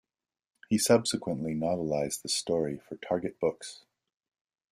He subsequently novelised the story for Target Books.